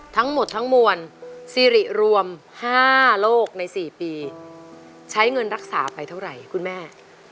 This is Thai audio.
ทั้งหมดทั้งมวลซีริรวม๕โลกใน๔ปีใช้เงินรักษาไปเท่าไหร่คุณแม่